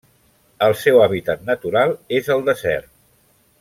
El seu hàbitat natural és el desert.